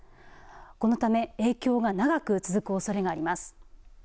このため影響が長く続くおそれがあります。